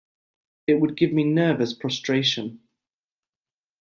It would give me nervous prostration.